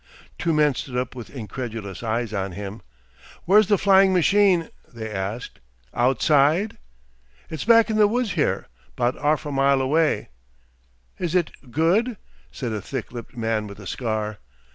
Two men stood up with incredulous eyes on him. "Where's the flying machine?" they asked; "outside?" "It's back in the woods here 'bout arf a mile away." "Is it good?" said a thick lipped man with a scar.